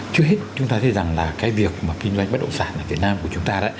trước hết chúng ta thấy rằng là cái việc mà kinh doanh bất động sản ở việt nam của chúng ta đấy